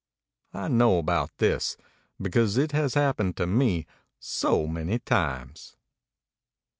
I know about this, because it has happened to me so many times.